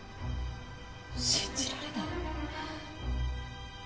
信じられない。